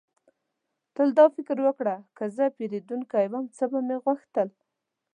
تل دا فکر وکړه: که زه پیرودونکی وم، څه به مې غوښتل؟